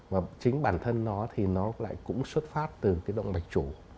và chính bản thân nó thì nó lại cũng xuất phát từ cái động mạch chủ